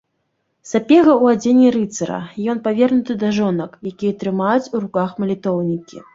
Сапега ў адзенні рыцара, ён павернуты да жонак, якія трымаюць у руках малітоўнікі.